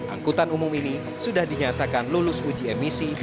angkutan umum ini sudah dinyatakan lulus uji emisi